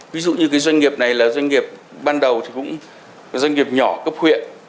ví dụ như cái doanh nghiệp này là doanh nghiệp ban đầu thì cũng doanh nghiệp nhỏ cấp huyện